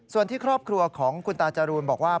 ส่วนที่ครอบครัวของคุณตาจรูนบอกว่า